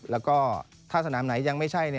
แล้วก็ถ้าสนามไหนยังไม่ใช่